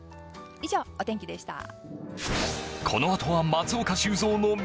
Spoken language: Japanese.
以上、お天気でした。